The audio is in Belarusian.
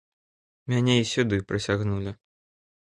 Мяне і сюды прысягнулі.